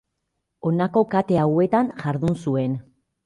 Honako kate hauetan jardun zuen.